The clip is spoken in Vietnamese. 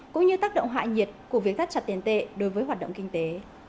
cũng như tác động hạ nhiệt của việc thắt chặt tiền tệ đối với hoạt động kinh tế